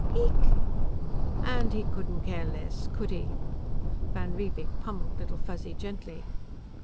"Yeek?" "And he couldn't care less, could he?" Van Riebeek pummeled Little Fuzzy gently.